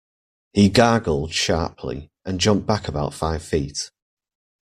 He gargled sharply, and jumped back about five feet.